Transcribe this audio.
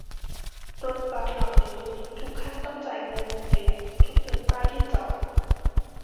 รถบัสเหล่านี้ทุกคันต้องจ่ายเงินหนึ่งเหรียญทุกหนึ่งป้ายที่จอด